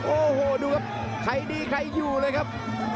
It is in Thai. โอ้โหดูครับใครดีใครอยู่เลยครับ